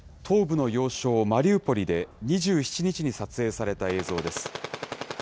東部の要衝マリウポリで２７日に撮影された映像です。